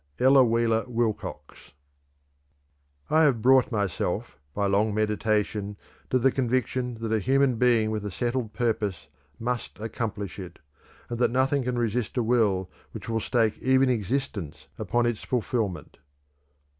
Ella Wheeler Wilcox. "I have brought myself by long meditation to the conviction that a human being with a settled purpose must accomplish it, and that nothing can resist a will which will stake even existence upon its fulfillment."